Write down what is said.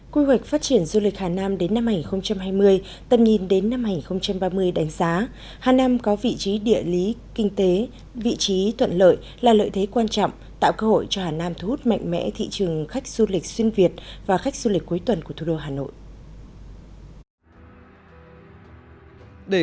quy hoạch phát triển du lịch hà nam đến năm hai nghìn hai mươi tầm nhìn đến năm hai nghìn ba mươi đánh giá hà nam có vị trí địa lý kinh tế vị trí thuận lợi là lợi thế quan trọng tạo cơ hội cho hà nam thu hút mạnh mẽ thị trường khách du lịch xuyên việt và khách du lịch cuối tuần của thủ đô hà nội